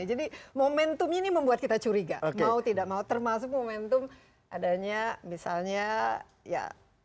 jadi momentum ini membuat kita curiga mau tidak mau termasuk momentum adanya misalnya ya